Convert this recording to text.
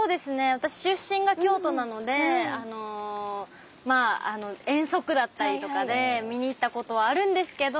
私出身が京都なのでまあ遠足だったりとかで見に行ったことはあるんですけど